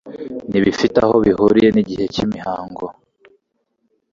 ntibifite aho bihuriye n'igihe cy'imihango